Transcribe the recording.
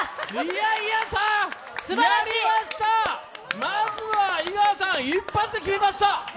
やりました、まずは井川さん、一発で決めました。